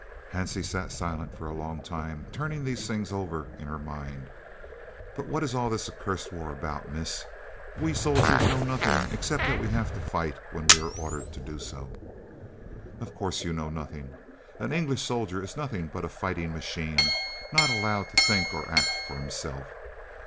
Hansie sat silent for a long time, turning these things over in her mind. "But what is all this accursed war about, miss? We soldiers know nothing except that we have to fight when we are ordered to do so." "Of course you know nothing. An English soldier is nothing but a fighting machine, not allowed to think or act for himself.